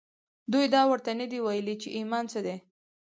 دوی دا ورته نه دي ويلي چې ايمان څه دی.